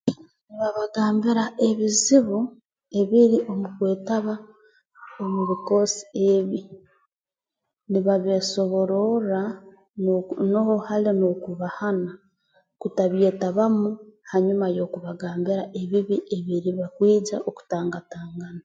Nibabagambira ebizibu ebiri omu kwetaba omu bikoosi ebi nibabeesobororra nu nuho hali n'okubahana kutabyetabamu hanyuma y'okubagambira ebibi ebiribakwija okutangatangana